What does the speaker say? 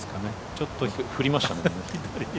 ちょっと振りましたね。